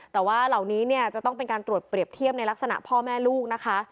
แต่ว่าเหล่านี้เนี่ยจะต้องเป็นการตรวจเปรียบเทียบในลักษณะพ่อแม่ลูกนะคะ